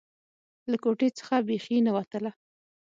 له کوټې څخه بيخي نه وتله.